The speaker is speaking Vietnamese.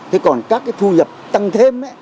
thế còn các cái thu nhập tăng thêm